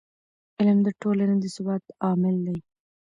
علم د ټولنې د ثبات عامل دی.